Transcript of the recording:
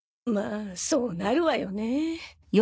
あそうなるわよね。